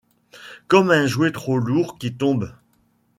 Comme un jouet trop lourd qui tombe